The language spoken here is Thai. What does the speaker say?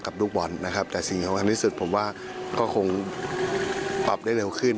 ลูกบอลนะครับแต่สิ่งสำคัญที่สุดผมว่าก็คงปรับได้เร็วขึ้น